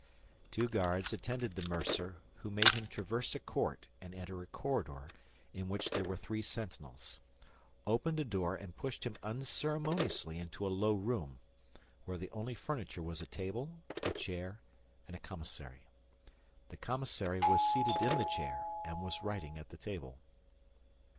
Two guards attended the mercer who made him traverse a court and enter a corridor in which were three sentinels, opened a door and pushed him unceremoniously into a low room, where the only furniture was a table, a chair, and a commissary. The commissary was seated in the chair, and was writing at the table.